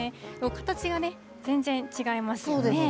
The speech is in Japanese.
形がね、全然違いますよね。